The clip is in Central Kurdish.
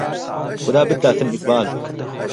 خودا بتداتن ئیقبال